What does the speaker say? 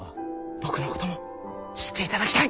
僕のことも知っていただきたい。